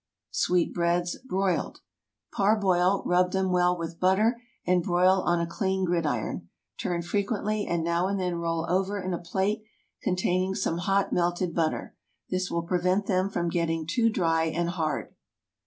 SWEET BREADS (Broiled.) ✠ Parboil, rub them well with butter, and broil on a clean gridiron. Turn frequently, and now and then roll over in a plate containing some hot melted butter. This will prevent them from getting too dry and hard.